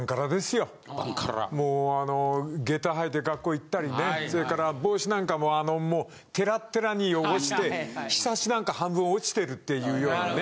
もうあの下駄履いて学校行ったりねそれから帽子なんかもあのもうテラッテラに汚してひさしなんか半分落ちてるっていうようなね。